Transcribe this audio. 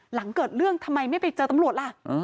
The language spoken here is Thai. หลังเกิดเรื่องทำไมไม่ไปเจอตำรวจล่ะ